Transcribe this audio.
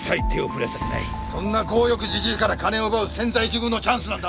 そんな強欲ジジイから金を奪う千載一遇のチャンスなんだ